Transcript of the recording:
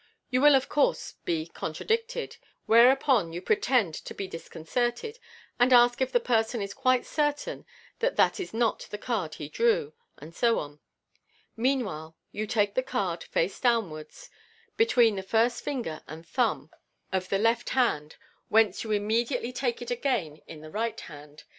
You will, of course, be contradicted, where upon you pretend to be disconcerted, and ask if the person is quite certain that that is not the card he drew, and so on. Meanwhile, you take the card, face downwards, be tween the first finger and thumb of the left hand, whence you immediately take it again in the right hand (see Fig.